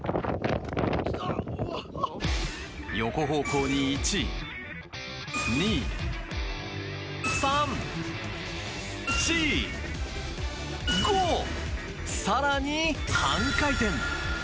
横方向に１、２、３、４、５更に半回転！